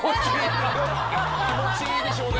気持ちいいでしょうね。